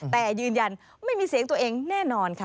แต่ยืนยันไม่มีเสียงตัวเองแน่นอนค่ะ